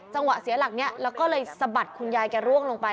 จังหวะเสียหลักนี้แล้วก็เลยสะบัดคุณยายกันล่วงลงไป